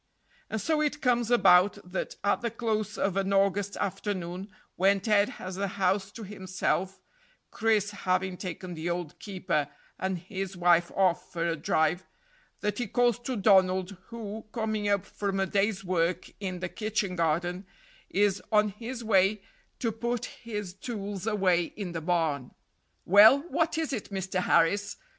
And so it comes about that at the close of an August afternoon, when Ted has the house to himself (Chris having taken the old keeper and his wife off for a drive), that he calls to Donald, who, coming up from a day's work in the kitchen garden, is on his way to put his tools away in the barn. "Well, what is it, Mr. Harris?"